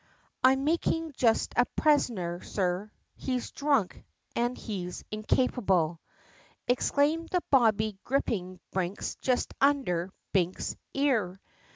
"I'm makin' just a Pres'ner, Sir, he's dhrunk, an' he's incapable," Exclaimed the bobbie, gripping Binks, just under Binks's ear!